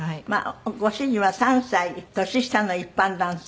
ご主人は３歳年下の一般男性。